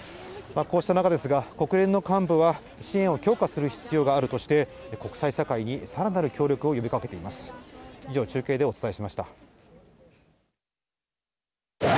こうした中ですが、国連の幹部は、支援を強化する必要があるとして、国際社会にさらなる協力を呼びかけています。